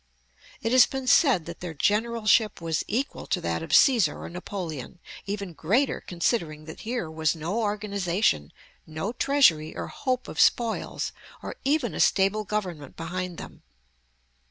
It has been said that their generalship was equal to that of Cæsar or Napoleon; even greater considering that here was no organization, no treasury, or hope of spoils, or even a stable government behind them.